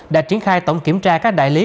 đã triển khai tổng kiểm tra các đại lý